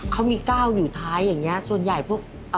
เขามีก้าวอยู่ท้ายอย่างนี้ส่วนใหญ่พวก